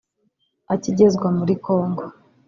Akigezwa muri Congo